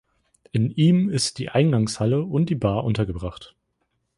In ihm ist die Eingangshalle und die Bar untergebracht.